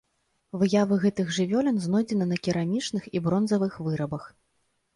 Выявы гэтых жывёлін знойдзены на керамічных і бронзавых вырабах.